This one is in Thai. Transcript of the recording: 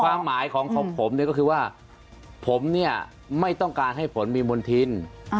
ความหมายของผมก็คือว่าผมไม่ต้องการให้ผลมีบนทิ้น